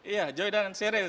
ya joy dan serial